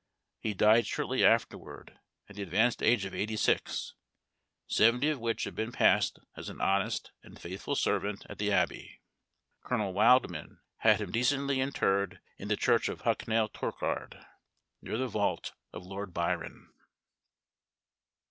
He died shortly afterward, at the advanced age of eighty six, seventy of which had been passed as an honest and faithful servant at the Abbey. Colonel Wildman had him decently interred in the church of Hucknall Torkard, near the vault of Lord Byron.